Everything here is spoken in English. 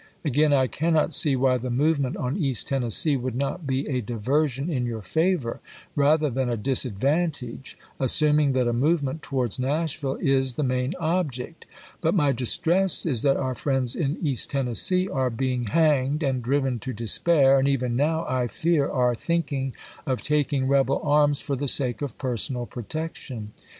Again, I cannot see why the movement on East Ten nessee would not be a diversion in your favor, rather than a disadvantage, assuming that a movement towards NashviUe is the main object. But my distress is that our friends in East Tennessee are being hanged and driven to despair, and even now, I fear, are thinking of taking rebel arms for the sake of personal protection.